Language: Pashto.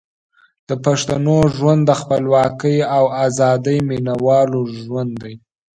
د پښتنو ژوند د خپلواکۍ او ازادۍ د مینوالو ژوند دی.